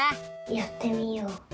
やってみよう。